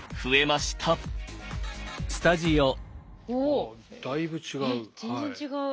あだいぶ違う。